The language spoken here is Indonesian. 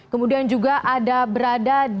kemudian juga ada berada di istana ketua